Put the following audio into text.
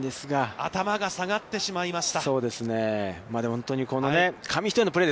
頭が下がってしまいました。